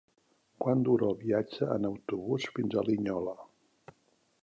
Quant dura el viatge en autobús fins a Linyola?